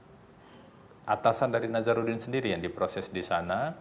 kemudian ada atasan dari nazaruddin sendiri yang diproses di sana